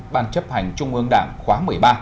ban chấp hành trung ương đảng khóa một mươi ba